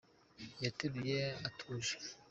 Yateruye atuje